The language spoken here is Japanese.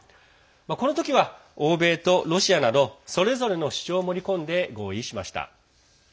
この時は欧米とロシアなどそれぞれの主張を盛り込んで合意しました。